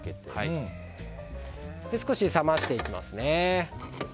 少し冷ましていきますね。